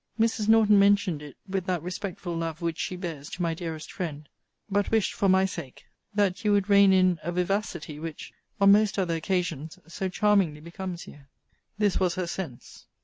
Mrs. Norton mentioned it with that respectful love which she bears to my dearest friend: but wished, for my sake, that you would rein in a vivacity, which, on most other occasions, so charmingly becomes you. This was her sense.